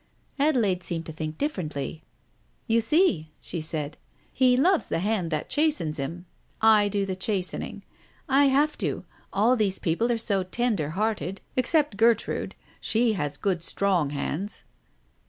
Adelaide seemed to think differently. "You see," she said. "He loves the hand that chastens him. I do the chastening. I have to, all these people are so tender hearted, except Gertrude — she has good strong hands."